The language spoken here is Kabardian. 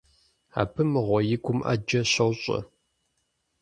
Абы, мыгъуэ, и гум Ӏэджэ щощӀэ.